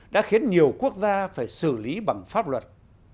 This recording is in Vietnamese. đã khiến nhiều quốc gia phải xử lý bằng pháp luật